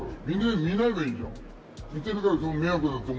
見ないといいじゃん。